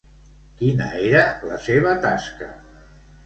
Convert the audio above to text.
Quina era la seva tasca?